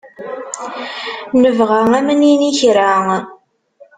Nebɣa ad am-nini kra.